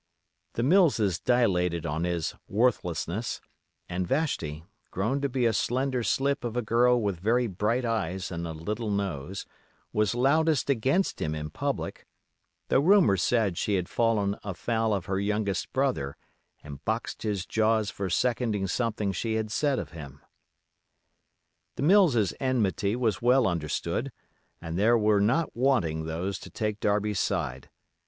The Millses dilated on his worthlessness, and Vashti, grown to be a slender slip of a girl with very bright eyes and a little nose, was loudest against him in public; though rumor said she had fallen afoul of her youngest brother and boxed his jaws for seconding something she had said of him. The Mills's enmity was well understood, and there were not wanting those to take Darby's side.